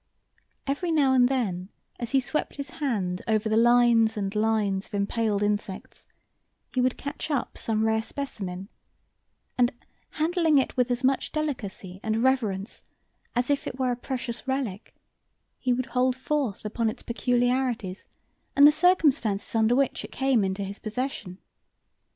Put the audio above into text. Every now and then as he swept his hand over the lines and lines of impaled insects he would catch up some rare specimen, and, handling it with as much delicacy and reverence as if it were a precious relic, he would hold forth upon its peculiarities and the circumstances under which it came into his possession.